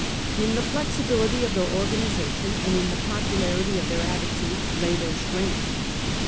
In the flexibility of their organization, and in the popularity of their attitude, lay their strength.